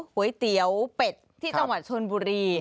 ก๋วยเตี๋ยวเป็ดที่จังหวัดชนบุรี